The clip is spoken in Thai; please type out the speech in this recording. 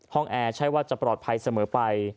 แอร์ใช่ว่าจะปลอดภัยเสมอไป